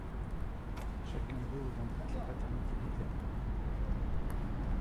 Chacun d’eux revendique la paternité du terme.